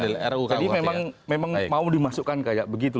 iya jadi memang mau dimasukkan kayak begitu